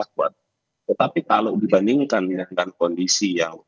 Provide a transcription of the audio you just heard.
kan memiliki akan kondisi yang